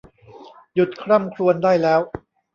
หยุดคร่ำครวญได้แล้ว !